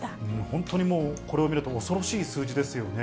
本当にもう、これを見ると恐ろしい数字ですよね。